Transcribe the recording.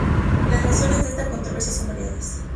Las razones de esta controversia son variadas.